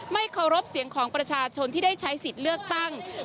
เคารพเสียงของประชาชนที่ได้ใช้สิทธิ์เลือกตั้ง